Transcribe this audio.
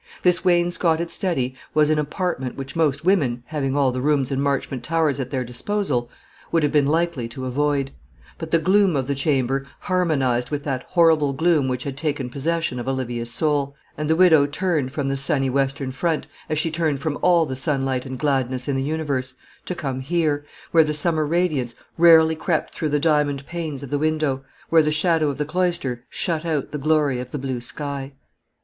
This wainscoted study was an apartment which most women, having all the rooms in Marchmont Towers at their disposal, would have been likely to avoid; but the gloom of the chamber harmonised with that horrible gloom which had taken possession of Olivia's soul, and the widow turned from the sunny western front, as she turned from all the sunlight and gladness in the universe, to come here, where the summer radiance rarely crept through the diamond panes of the window, where the shadow of the cloister shut out the glory of the blue sky.